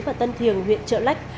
và tân thiền huyện trợ lách